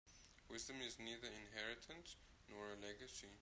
Wisdom is neither inheritance nor a legacy.